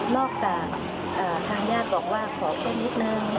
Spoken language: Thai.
นอกจากทางงานบอกว่าขอช่วยทั้งนี้หนึ่ง